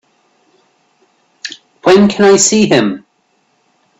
When can I see him?